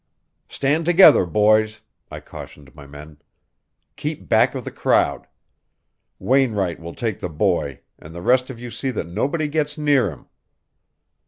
"Stand together, boys," I cautioned my men. "Keep back of the crowd. Wainwright will take the boy, and the rest of you see that nobody gets near him."